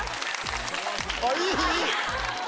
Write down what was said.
あっいいいい！